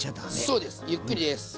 そうですゆっくりです。